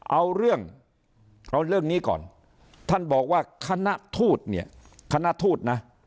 เอาเรื่องเอาเรื่องนี้ก่อนท่านบอกว่าคณะทูตเนี่ยคณะทูตนะ